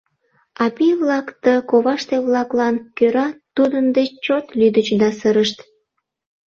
А пий-влак ты коваште-влаклан кӧра тудын деч чот лӱдыч да сырышт.